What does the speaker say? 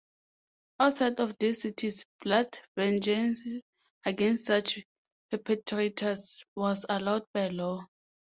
Outside of these cities, blood vengeance against such perpetrators was allowed by law.